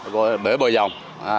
gọi là bể bờ dòng